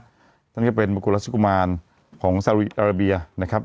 เพราะเขาเป็นมกุรัสสุกุมารของซาลีาแอราบียานะครับ